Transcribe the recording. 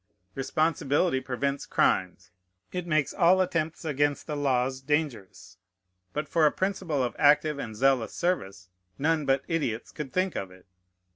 Responsibility prevents crimes. It makes all attempts against the laws dangerous. But for a principle of active and zealous service, none but idiots could think of it.